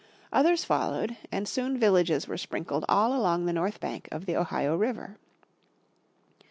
Others followed, and soon villages were sprinkled all along the north bank of the Ohio River.